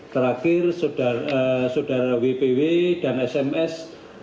terakhir saudara wpw dan sms